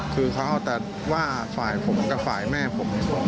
คือเขาเอาแต่ว่าฝ่ายผมกับฝ่ายแม่ผม